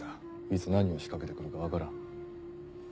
いつ何を仕掛けて来るか分からん。